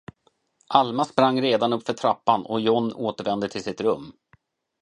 Alma sprang redan utför trappan, och John återvände till sitt rum.